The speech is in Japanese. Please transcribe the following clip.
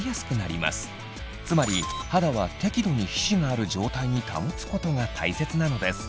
つまり肌は適度に皮脂がある状態に保つことが大切なのです。